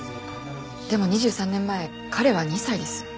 でも２３年前彼は２歳です。